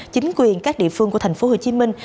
chính quyền các địa phương của thành phố hồ chí minh